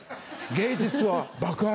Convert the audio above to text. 芸術は爆発。